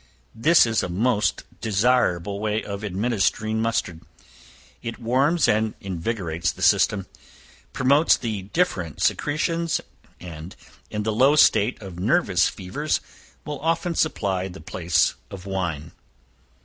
This is a most desirable way of administering mustard; it warms and invigorates the system, promotes the different secretions, and in the low state of nervous fevers, will often supply the place of wine.